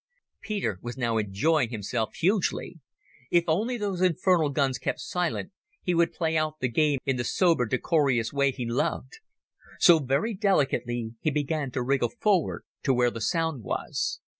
Peter was now enjoying himself hugely. If only those infernal guns kept silent he would play out the game in the sober, decorous way he loved. So very delicately he began to wriggle forward to where the sound was.